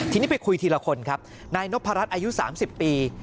ทีนี้ไปคุยทีละคนครับนายนพรรดิอายุสามสิบปี